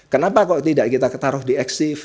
kenapa kalau tidak kita taruh di exif